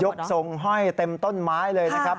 ทรงห้อยเต็มต้นไม้เลยนะครับ